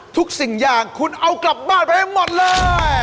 สิ่งอย่างคุณเอากลับบ้านไปให้หมดเลย